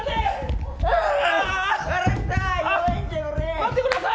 待ってください！